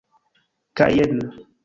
Kaj jen!